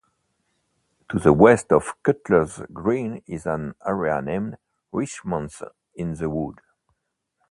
To the West of Cutler's Green is an area named 'Richmond's in the Wood'.